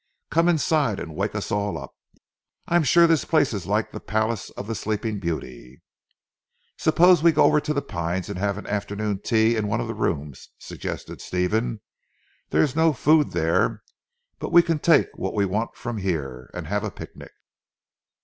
Come inside, and wake us all up. I am sure this place is like the palace of the Sleeping Beauty." "Suppose we go over to 'The Pines' and have afternoon tea in one of the rooms," suggested Stephen. "There is no food there, but we can take what we want from here, and have a picnic."